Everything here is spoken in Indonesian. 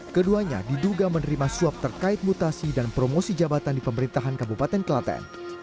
keduanya diduga menerima suap terkait mutasi dan promosi jabatan di pemerintahan kabupaten kelaten